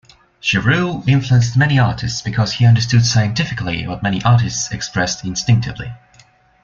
Chevreul influenced many artists because he understood scientifically what many artists expressed instinctively.